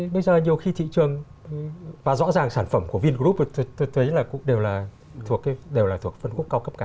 bây giờ nhiều khi thị trường và rõ ràng sản phẩm của vingroup thực tế cũng đều là thuộc phân khúc cao cấp cả